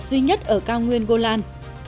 duy nhất ở cao nguyên golan